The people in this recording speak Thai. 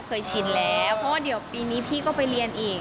ชินแล้วเพราะว่าเดี๋ยวปีนี้พี่ก็ไปเรียนอีก